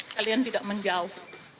kalian tidak menjauh